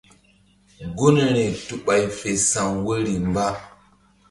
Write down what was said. Gunri tu ɓay fe sa̧w woyri mba.